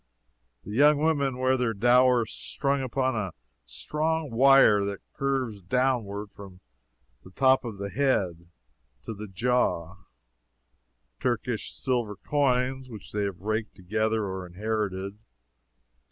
The young women wear their dower strung upon a strong wire that curves downward from the top of the head to the jaw Turkish silver coins which they have raked together or inherited.